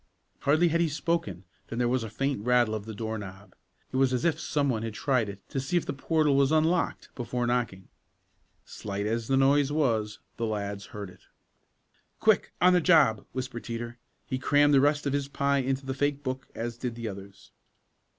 Hardly had he spoken than there was the faint rattle of the door knob. It was as if some one had tried it to see if the portal was unlocked before knocking. Slight as the noise was, the lads heard it. "Quick! On the job!" whispered Teeter. He crammed the rest of his pie into the fake book, as did the others.